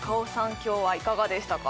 今日はいかがでしたか？